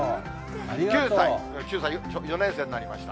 ９歳、４年生になりました。